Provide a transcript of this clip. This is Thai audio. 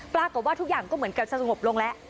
ปรากฏว่าทุกอย่างก็เหมือนกับจะสงบลงแล้ว